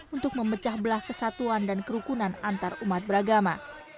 untuk memecah belah kesatuan dan kerukunan antarumat beragama